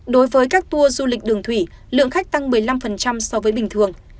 đối với các tour du lịch đường thủy lượng khách tăng một mươi năm so với bình thường